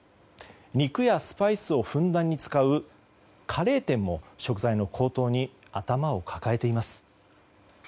肉やスパイスをふんだんに使うカレー店も食材の高騰に頭を抱えています。